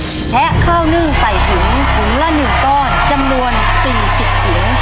แชะข้าวนึ่งใส่ถุงถุงละหนึ่งต้นจำนวนสี่สิบถุง